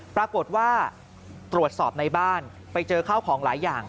ปรากฏว่าตรวจสอบในบ้านไปเจอข้าวของหลายอย่าง